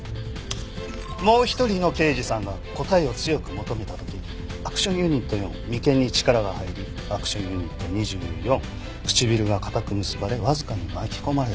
もう１人の刑事さんが答えを強く求めた時アクションユニット４眉間に力が入りアクションユニット２４唇が固く結ばれわずかに巻き込まれた。